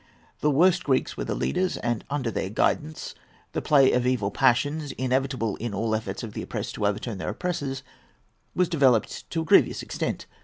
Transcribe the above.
The worst Greeks were the leaders, and, under their guidance, the play of evil passions—inevitable in all efforts of the oppressed to overturn their oppressors—was developed to a grievous extent.